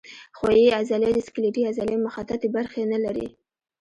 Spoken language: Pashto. ښویې عضلې د سکلیټي عضلې مخططې برخې نه لري.